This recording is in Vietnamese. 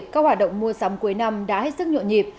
các hoạt động mua sắm cuối năm đã hết sức nhộn nhịp